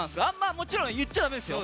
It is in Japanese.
もちろん言っちゃだめですよ。